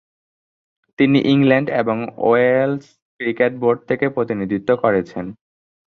তিনি ইংল্যান্ড এবং Wales cricket board থেকে প্রতিনিধিত্ব করছেন।